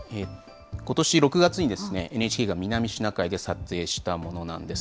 ことし６月に、ＮＨＫが南シナ海で撮影したものなんです。